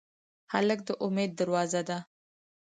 هلک د امید دروازه ده.